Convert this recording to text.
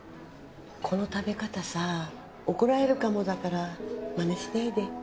この食べ方さ怒られるかもだからまねしないで。